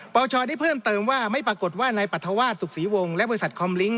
ชได้เพิ่มเติมว่าไม่ปรากฏว่านายปรัฐวาสสุขศรีวงศ์และบริษัทคอมลิ้ง